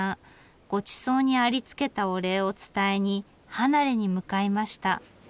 ごちそうにありつけたお礼を伝えに離れに向かいました。